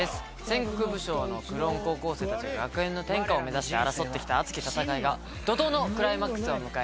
戦国武将のクローン高校生たちが学園の天下を目指して争って来た熱き戦いが怒濤のクライマックスを迎えます。